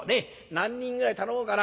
何人ぐらい頼もうかな。